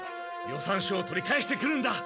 予算書を取り返してくるんだ。